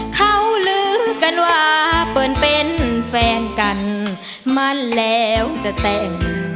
เขาลือกันว่าเปิ้ลเป็นแฟนกันมั่นแล้วจะแต่ง